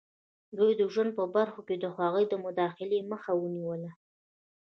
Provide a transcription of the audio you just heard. دوی د ژوند په برخو کې د هغوی د مداخلې مخه ونیوله.